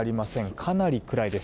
かなり暗いです。